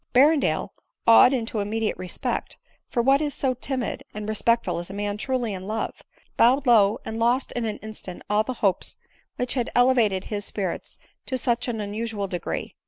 Berrendale, awed into immediate respect — for what is so timid and respectful as a man truly in love ? bowed low, and lost in an instant all the hopes which had elevated his spirits to such an unusual degree.